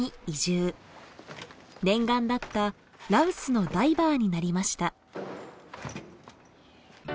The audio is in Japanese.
念願だった羅臼のダイバーになりました。